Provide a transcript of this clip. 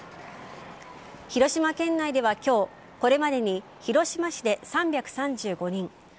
広島県内では今日これまでに、広島市で３３５人